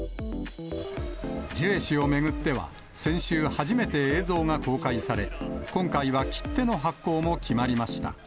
ジュエ氏を巡っては、先週、初めて映像が公開され、今回は切手の発行も決まりました。